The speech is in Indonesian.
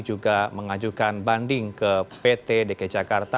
juga mengajukan banding ke pt dki jakarta